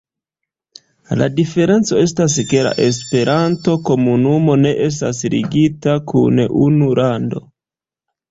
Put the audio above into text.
La diferenco estas, ke la Esperanto-komunumo ne estas ligita kun unu lando.